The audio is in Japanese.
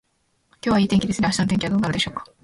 今日はいい天気ですね。明日の天気はどうなるでしょうか。